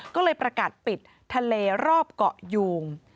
ก็เลยประกาศปิดทะเลรอบเกาะยูง